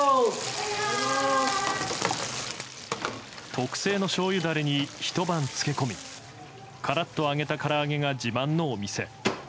特製の醤油だれにひと晩漬け込みカラッと揚げたから揚げが自慢のお店。